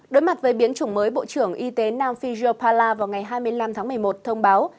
đối mặt với biến chủng mới bộ trưởng y tế nam phiêu pala vào ngày hai mươi năm tháng một mươi một thông báo